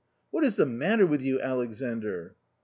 What is the matter with you, Alexandr?